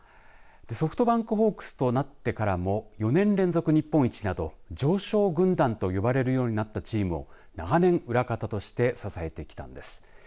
ソフトバンクホークスとなってからも４年連続日本一など常勝軍団と呼ばれるようになったチームを長年、裏方として支えてきたんです。